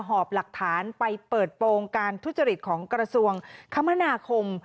หอบหลักฐานไปเปิดโปรงการทุจริตของกระทรวงคมนาคม